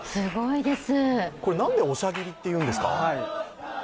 これ、なんでおしゃぎりっていうんですか？